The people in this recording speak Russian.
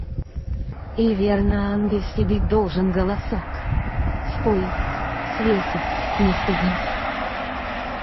И верно ангельский быть должен голосок! Спой, светик, не стыдись!